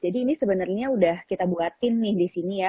jadi ini sebenarnya sudah kita buatin nih di sini ya